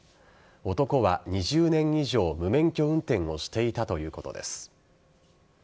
男は２０年以上無免許運転をしていたということです。